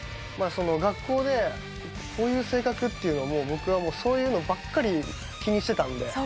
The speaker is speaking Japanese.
学校でこういう性格っていうのをもう僕はそういうのばっかり気にしてたので。